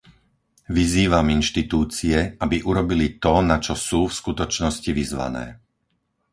Vyzývam inštitúcie, aby urobili to na čo sú v skutočnosti vyzvané.